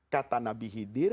kata nabi hidir